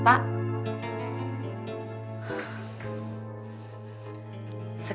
tidak ada apa apa